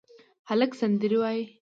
هلک سندرې وايي